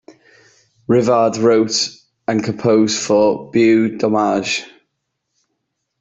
Rivard wrote and composed for Beau Dommage.